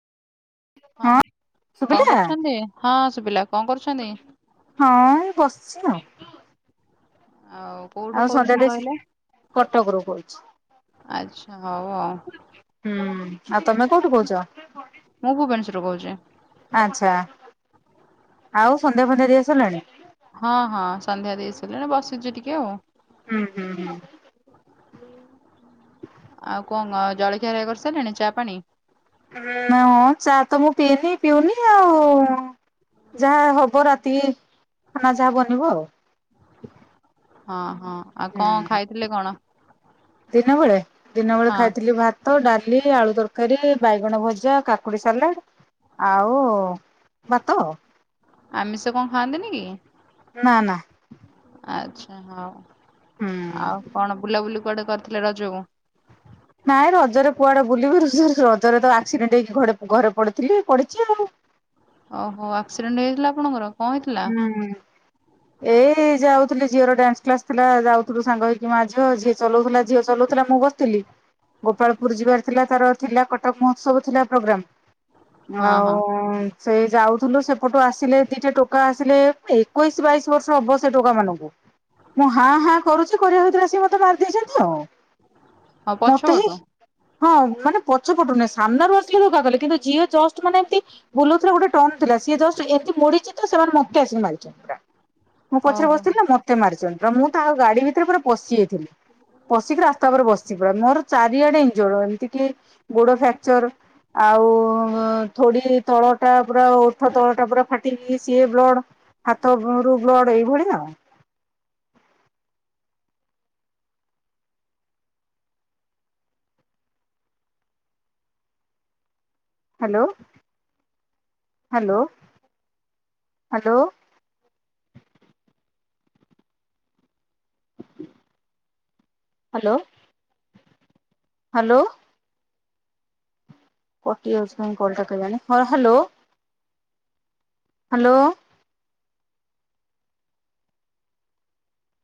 ହଁ [unintelligible] କଁ ଶୁଭିଲା କରୁଛନ୍ତି ହଁ ଶୁବିଲା କଁ କରୁଛନ୍ତି। ହଁ ଏଇ ବସିଛି ଆଉ। ଆଉ କୋଉଠୁ ଆଉ ସନ୍ଧ୍ୟା କୋହୁଛନ୍ତି ଦେଇ କହିଲେ କଟକରୁ କହୁଛି। ଆଚ୍ଛା ହଉ ଆଉ। ହୁଁ ଆଉ ତମେ କୋଉଠୁ କୋହୁଚ। ମୁଁ ଭୁବନେଶ୍ୱରରୁ କୋହୁଚି। ଆଚ୍ଛା ଆଉ ସନ୍ଧ୍ୟା ଫନ୍ଧ୍ୟା ଦିଆସାରିଲାଣି। ହଁ ହଁ ସନ୍ଧ୍ୟା ଦେଇସାରିଲାଣି ବସିଛି ଟିକେ ଆଉ। ହୁଁ ହୁଁ ହୁଁ। ଆଉ କଁ [unintelligible] ଜଳଖିଆ ହେରିକା କରିସାରିଲେଣି ଚା ପାଣି। [unintelligible] ଚା ତ ମୁଁ ପିଏନି ପାଉନି ଆ ଯାହା ହବ ରାତିକି। ଖାନା ଯାହା ବନିବ ଆଉ। ହଁ ହଁ। ଆଉ ହୁଁ କଣ ଖାଇଥିଲେ କଣ? ଦିନବେେଳେ ଦିନ ବେଳେ ହଁ ଖାଇଥିଲି ଭା ତ ଡାଲି ଆଳୁ ତରକାରୀ ବାଇଗଣ ଭଜା କା କୁଡ଼ି ସାଲାଡ୍ ଆଉ ଭାତ। ଆମିଷ କଣ ଖାଆନ୍ତିନି କି? ନା ନା। ଆଚ୍ଛା ହଉ। ହୁଁ। ଆଉ କଣ ବୁଲାବୁଲି କୁଆଡେ କରିଥିଲେ ରଜକୁ? ନାଇଁ ରଜରେ କୁଆଡେ ବୁଲିବୁ। ର ରଜରେ ତ ଆକ୍ସିଡେଣ୍ଟ ହେଇକି ଘରେ ଘରେ ପଡିଥିଲି ପଡିଛି ଆଉ। ଓହୋ ଆକ୍ସିଡେଣ୍ଟ ହେଇଥିଲା ଆପଣଙ୍କର? କଣ ହେଇଥିଲା? ହୁଁ। ଏଇ ଯାଉଥିଲି ଝିଅର ଡ୍ୟାନ୍ସ କ୍ଲାସ ଥିଲା ଯାଉଥିଲୁ ସାଙ୍ଗ ହେଇକି ମାଆ ଝିଅ ଝିଅ ଚଲଉଥିଲା ଝିଅ ଚଲଉଥିଲା ମୁଁ ବସିି ଥିଲି। ଗୋପାଳପୁର ଯିବାର ଥିଲା ତାର ଥିଲା କଟକ ମହୋତ୍ସବ ଥିଲା ପ୍ରୋଗ୍ରାମ। ହଁ ଆଉ ହଁ ସେଇ ଯାଉଥିଲୁ ସେପଟୁ ଆସିଲେ ଦିଟା ଟୋ କା ଆସିଲେ ଏକୋଇଶି ବାଇଶି ବର୍ଷ ହବ ସେ ଟୋକା ମାନଙ୍କୁ। ମୁଁ ହାଁ ହାଁ କରୁଛି କରିବା ଭିତରେ ଆସିକ ମତେ ମାରିଦେଇଛନ୍ତି ଆଉ। ହଁ ପଛ ମତେ ହିଁ ପଟୁ ହଁ ମାନେ ପଛପଟୁ ନାହି ସାମ୍ନାରୁ ଆସିଲେ ଧକ୍କା କଲେ କିନ୍ତୁ ଝିଅ ଜଷ୍ଟ ମାନେ ଏମିତି ବୁଲଉଥିଲା ଗୋଟେ ଟନ୍ ଥିଲା ସିଏ ତ ଏମିତି ମୋଡିଛି ତ ସେମାନେ ମତେ ଆସିକି ମାରିଛନ୍ତି। ମୁଁ ପଛରେ ଓହୋ ବସିଥିଲ ନା ମତେ ମାରିଛନ୍ତି ମୁଁ ତା ଗାଡି ଭିତରେ ପୁରା ପଶିଯାଇଥିଲି। ପଶିକି ରାସ୍ତା ଉପରେ ବସିଛି ପୁରା। ମୋର ଚାରିଆଡେ ଇଞ୍ଜଡ ଏମିତି କି ଗୋଡ ଫ୍ରାକଚର। ଆଉ ଥୋଡି ତଳଟା ପୁରା ଓଠ ତଳଟା ପୁରା ଫାଟି ଇଏ ସିଏ ବ୍ଲଡ ହାତରୁ ବ୍ଲଡ଼ ଏଇଭଳି ଆଉ। Hello hello hello. Hello hello. କଟିଯାଉଛି କାଇଁ କଲଟା କେଜାଣି ହଁ ହାଲୋ। ହାଲୋ।